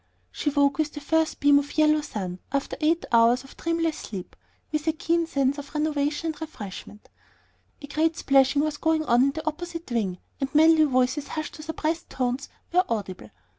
She woke with the first beam of yellow sun, after eight hours of dreamless sleep, with a keen sense of renovation and refreshment. A great splashing was going on in the opposite wing, and manly voices hushed to suppressed tones were audible.